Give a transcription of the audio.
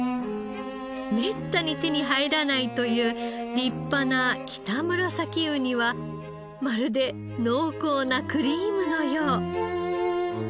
めったに手に入らないという立派なキタムラサキウニはまるで濃厚なクリームのよう。